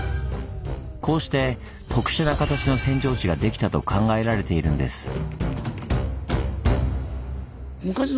こうして特殊な形の扇状地ができたと考えられているんです。